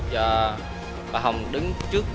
và bà hồng đứng trước